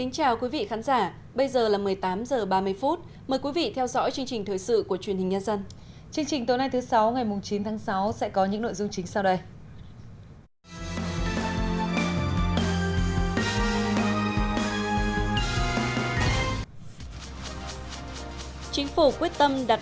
chương trình tối nay thứ sáu ngày chín tháng sáu sẽ có những nội dung chính sau đây